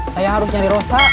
saya harus cari rosa